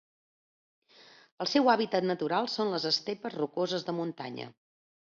El seu hàbitat natural són les estepes rocoses de muntanya.